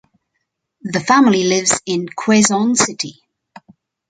The family lives in Quezon City.